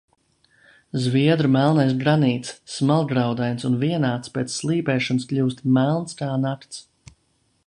Zviedru melnais granīts, smalkgraudains un vienāds, pēc slīpēšanas kļūst melns kā nakts.